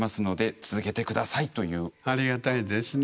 ありがたいですね。